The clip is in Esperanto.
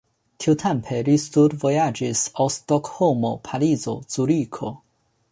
Tiutempe li studvojaĝis al Stokholmo, Parizo, Zuriko.